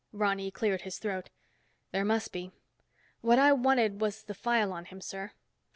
Ronny cleared his throat. "There must be. What I wanted was the file on him, sir."